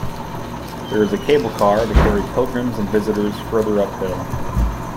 There is a cable car to carry pilgrims and visitors further uphill.